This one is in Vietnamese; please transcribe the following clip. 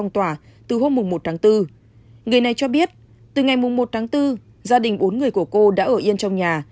từ hôm một bốn người này cho biết từ ngày một bốn gia đình bốn người của cô đã ở yên trong nhà